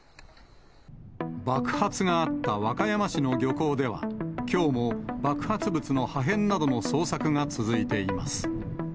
爆発があった和歌山市の漁港では、きょうも爆発物の破片などの捜索が続いています。